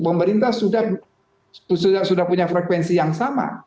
pemerintah sudah punya frekuensi yang sama